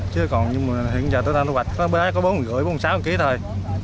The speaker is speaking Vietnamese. chứ còn hiện giờ tôi đang thu hoạch có bà ấy có bốn năm trăm linh bốn sáu trăm linh ký thôi